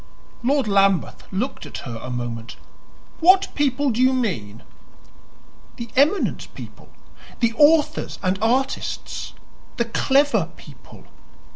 Lord Lambeth looked at her a moment. "What people do you mean?" "The eminent people the authors and artists the clever people."